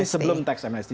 ini sebelum tax amnesty